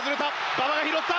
馬場が拾った！